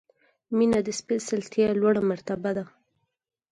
• مینه د سپېڅلتیا لوړه مرتبه ده.